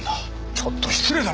ちょっと失礼だな！